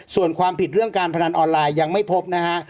ส่วนความผิดเรื่องการพนันออนไลน์ยังไม่พบนะฮะ